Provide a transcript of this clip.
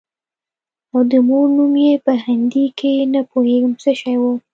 او د مور نوم يې په هندي کښې نه پوهېږم څه شى و.